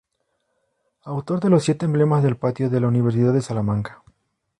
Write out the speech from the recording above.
Autor de los siete emblemas del patio de la Universidad de Salamanca.